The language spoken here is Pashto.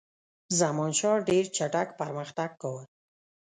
زمانشاه ډېر چټک پرمختګ کاوه.